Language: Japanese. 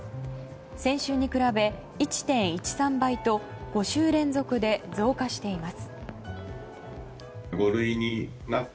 先週に比べ１．１３倍と５週連続で増加しています。